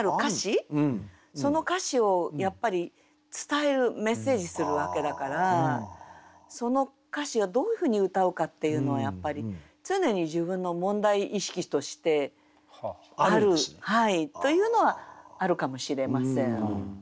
その歌詞をやっぱり伝えるメッセージするわけだからその歌詞をどういうふうに歌おうかっていうのはやっぱり常に自分の問題意識としてあるというのはあるかもしれません。